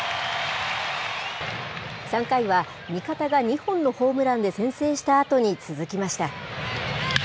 ３回は味方が２本のホームランで先制したあとに続きました。